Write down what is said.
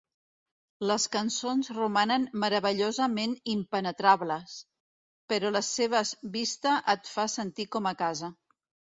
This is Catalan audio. Les cançons romanen meravellosament impenetrables, però les seves vista et fa sentir com a casa.